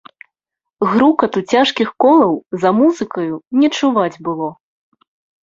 Грукату цяжкіх колаў за музыкаю не чуваць было.